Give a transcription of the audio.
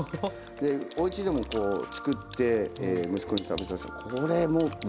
でおうちでもこう作って息子に食べさせたらこれもうまいと。